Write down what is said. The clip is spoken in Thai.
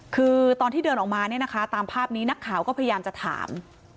คือตอนที่เดินออกมาเนี่ยนะคะตามภาพนี้นักข่าวก็พยายามจะถาม